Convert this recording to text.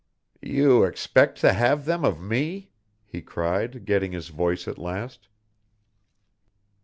"You expect to have them of me!" he cried, getting his voice at last.